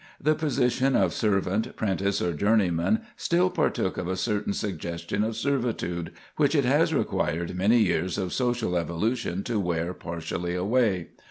The position of servant, 'prentice, or journeyman still partook of a certain suggestion of servitude, which it has required many years of social evolution to wear partially away.